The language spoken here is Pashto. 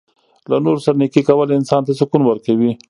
له نورو سره نیکي کول انسان ته سکون ورکوي.